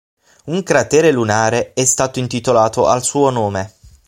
Un cratere lunare è stato intitolato al suo nome.